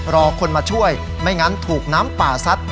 รอคนมาช่วยไม่งั้นถูกน้ำป่าซัด